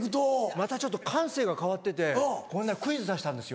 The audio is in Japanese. またちょっと感性が変わっててこの間クイズ出したんですよ。